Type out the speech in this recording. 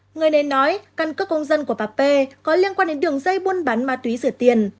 người này nói căn cước công dân của bà p có liên quan đến đường dây buôn bán ma túy rửa tiền